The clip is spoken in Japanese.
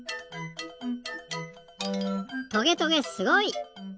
トゲトゲすごい！